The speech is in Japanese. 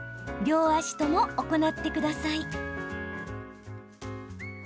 両足とも行ってください。